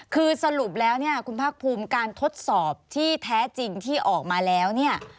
คือสรุปแล้วคุณพักภูมิการทดสอบที่แท้จริงที่ออกมาแล้ว